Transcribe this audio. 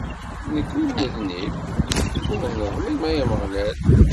Nekk ur nednib, ur neḍlim, ay Ameɣlal!